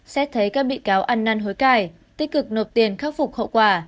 xét thấy các bị cáo ăn năn hối cải tích cực nộp tiền khắc phục hậu quả